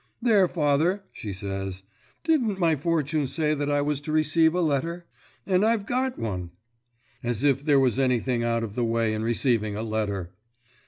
'There, father,' she says, 'didn't my fortune say that I was to receive a letter? And I've got one.' As if there was anything out of the way in receiving a letter!